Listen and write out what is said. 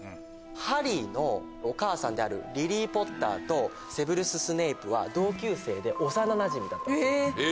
ハリーのお母さんであるリリー・ポッターとセブルス・スネイプは同級生で幼なじみだったんです。